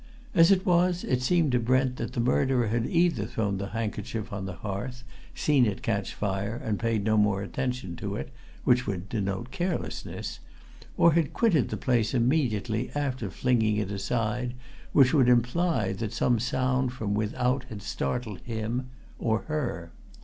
As it was, it seemed to Brent that the murderer had either thrown the handkerchief on the hearth, seen it catch fire and paid no more attention to it which would denote carelessness or had quitted the place immediately after flinging it aside, which would imply that some sound from without had startled him or her.